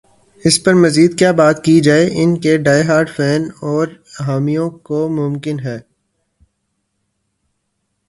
اس پر مزید کیا بات کی جائے ان کے ڈائی ہارڈ فین اور حامیوں کو ممکن ہے۔